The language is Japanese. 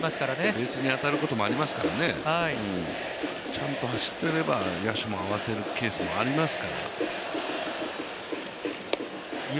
ベースに当たることもありますからね、ちゃんと走っていれば、野手も合わせるケースもありますから。